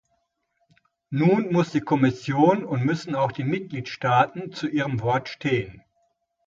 Nun muss die Kommission und müssen auch die Mitgliedstaaten zu ihrem Wort stehen.